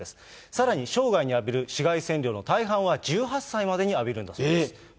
さらに生涯に浴びる紫外線量の大半は１８歳までに浴びるんだそうです。